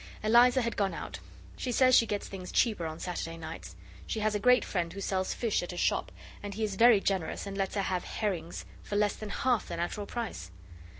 Eliza had gone out; she says she gets things cheaper on Saturday nights. She has a great friend, who sells fish at a shop, and he is very generous, and lets her have herrings for less than half the natural price.